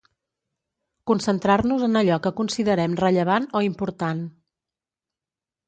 concentrar-nos en allò que considerem rellevant o important